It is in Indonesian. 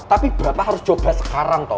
tapi berapa harus coba sekarang toh